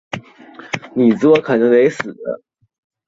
信仰者强调集体利益胜过个人主义。